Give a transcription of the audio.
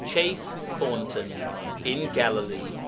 CHASE, THORNTON. In Galilee.